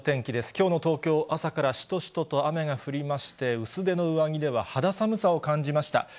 きょうの東京、朝からしとしとと雨が降りまして、薄手の上着では肌寒さを感じました。